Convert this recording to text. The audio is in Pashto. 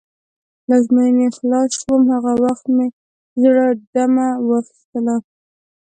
له ازموینې چې خلاص شوم، هغه وخت مې زړه دمه واخیستله.